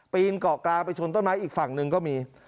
นเกาะกลางไปชนต้นไม้อีกฝั่งหนึ่งก็มี